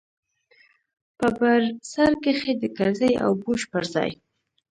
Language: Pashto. په بر سر کښې د کرزي او بوش پر ځاى.